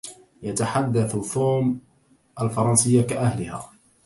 يتحدث توم الفرنسية كأهلها.